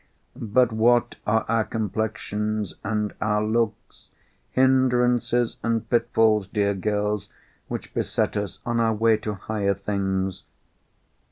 But what are our complexions and our looks? Hindrances and pitfalls, dear girls, which beset us on our way to higher things!